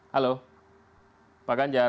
halo pak ganjar